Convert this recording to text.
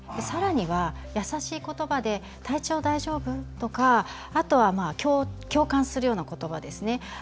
さらには、優しい言葉で体調、大丈夫？とかあとは共感するような言葉ですね。